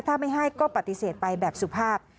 ถ้าไม่ให้ก็ปฏิเสธไปแบบสุภาพ